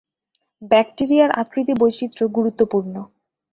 ব্যাকটেরিয়ার আকৃতি-বৈচিত্র গুরুত্বপূর্ণ।